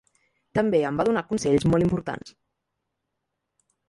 També em va donar consells molt importants.